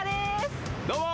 どうも。